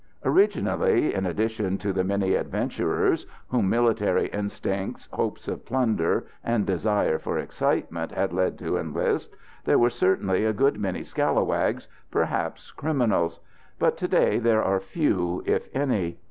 Originally, in addition to the many adventurers, whom military instincts, hopes of plunder, and desire for excitement had led to enlist, there were certainly a good many scallywags, perhaps criminals; but to day there are few, if any.